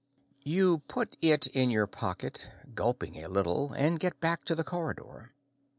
You put it in your pocket, gulping a little, and get back to the corridor.